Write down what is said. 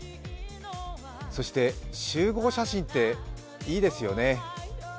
そして集合写真って、いいですよね